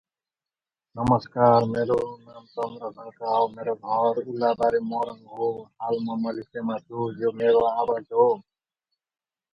She later appeared in the poorly received "The Guyver", alongside Mark Hamill.